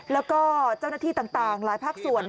แล้วก็เจ้าหน้าที่ต่างหลายภาคส่วน